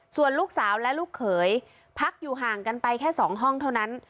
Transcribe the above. ส่วนลูกสาวและลูกเขยพักอยู่ห่างกันไปแค่๒ห้องเท่านั้น